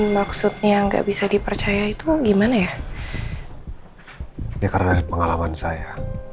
maksudnya nggak bisa dipercaya itu gimana ya karena pengalaman saya